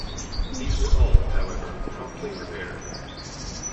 These were all, however, promptly repaired.